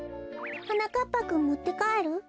はなかっぱくんもってかえる？